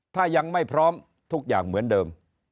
ถ้ายังไม่พร้อมทุกอย่างเหมือนเดิม